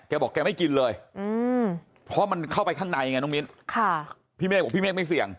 บอกแกไม่กินเลยเพราะมันเข้าไปข้างในไงน้องมิ้นพี่เมฆบอกพี่เมฆไม่เสี่ยง